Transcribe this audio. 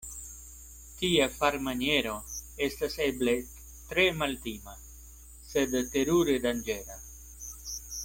Tia farmaniero estas eble tre maltima, sed terure danĝera.